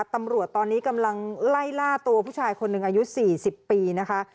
ตำรวจตอนนี้กำลังไล่ล่าตัวผู้ชายคนหนึ่งอายุ๔๐ปีนะคะ